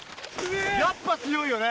やっぱ強いよね。